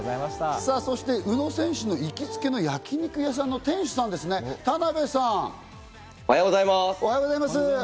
さぁ、そして宇野選手の行きつけの焼肉屋さんの店主ですね、おはようございます。